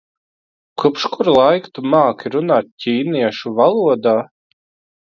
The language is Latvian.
Kopš kura laika tu māki runāt ķīniešu valodā?